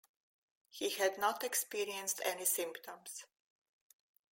He had not experienced any symptoms.